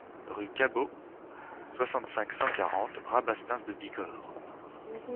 Rue Cabos, soixante-cinq, cent quarante Rabastens-de-Bigorre